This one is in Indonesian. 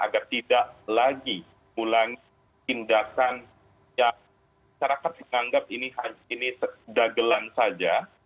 agar tidak lagi ulangi tindakan yang masyarakat menganggap ini dagelan saja